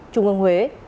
trung ương huế